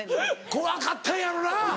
怖かったんやろな。